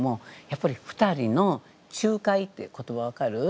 やっぱり２人の仲介って言葉分かる？